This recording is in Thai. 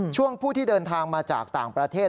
ผู้ที่เดินทางมาจากต่างประเทศ